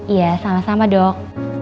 iya sama sama dok